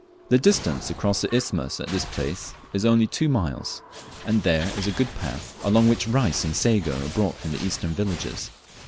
The distance across the isthmus at this place is only two miles, and there, is a good path, along which rice and sago are brought from the eastern villages.